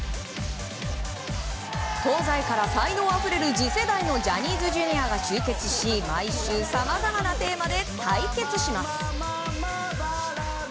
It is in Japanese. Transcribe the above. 東西から才能あふれる次世代のジャニーズＪｒ．が集結し毎週、さまざまなテーマで対決します。